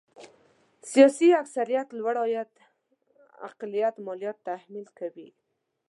سیاسي اکثريت لوړ عاید اقلیت ماليات تحمیل کوي.